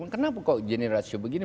kenapa kok generasio begini